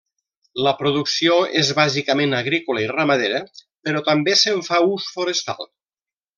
La producció és bàsicament agrícola i ramadera, però també se'n fa ús forestal.